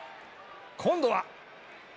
今度は。